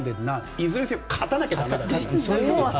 いずれにせよ勝たなきゃだめです。